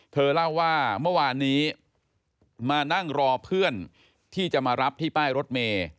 เธอเล่าว่าเมื่อวานนี้มานั่งรอเพื่อนที่จะมารับที่ป้ายรถเมย์